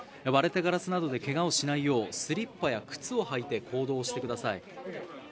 割れたガラスなどでけがをしないようスリッパや靴を履いて行動してください。